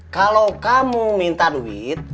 kalau kamu minta duit